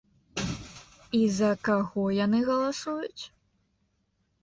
І за каго яны галасуюць?